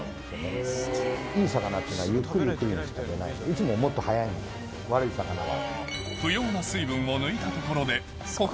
いつももっと早い悪い魚は。